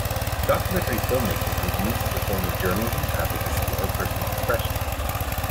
Documentary filmmaking can be used as a form of journalism, advocacy, or personal expression.